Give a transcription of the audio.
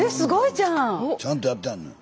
ちゃんとやってはんのよ。